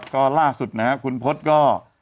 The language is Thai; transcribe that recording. ก็ล่าสุดนะครับคุณพจน์ก็